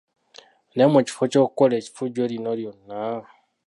Naye mu kifo ky’okukola effujjo lino lyonna,